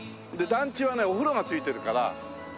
で団地はねお風呂が付いてるから。